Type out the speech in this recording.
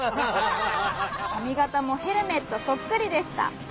「かみがたもヘルメットそっくりでした」。